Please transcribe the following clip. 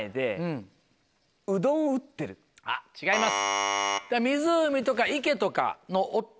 あっ違います。